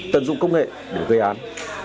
tận dụng công nghệ để gây án